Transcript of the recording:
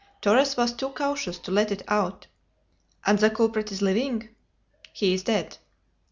"Torres was too cautious to let it out." "And the culprit is living?" "He is dead."